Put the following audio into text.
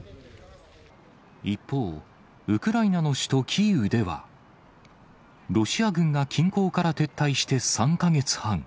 一方、ウクライナの首都キーウでは、ロシア軍が近郊から撤退して３か月半。